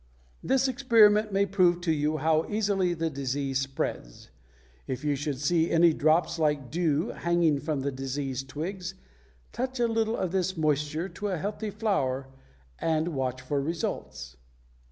This experiment may prove to you how easily the disease spreads. If you should see any drops like dew hanging from diseased twigs, touch a little of this moisture to a healthy flower and watch for results.